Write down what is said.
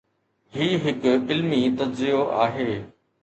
هي هڪ علمي تجزيو آهي.